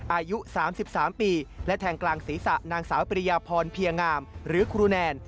อายุ๓๓ปีและแทงกลางศีรษะนางสาวปริยาพรเพียงามหรือครูแนน